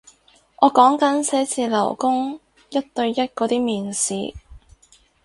我講緊寫字樓工一對一嗰啲面試